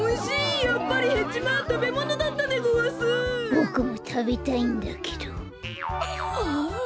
ボクもたべたいんだけどああ。